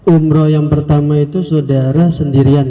umroh yang pertama itu saudara sendirian